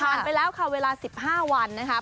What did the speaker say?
ผ่านไปแล้วค่ะเวลา๑๕วันนะครับ